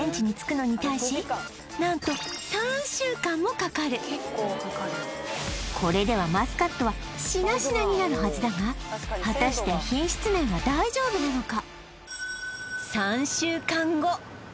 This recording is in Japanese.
確かに船便は一度にが何とこれではマスカットはしなしなになるはずだが果たして品質面は大丈夫なのか？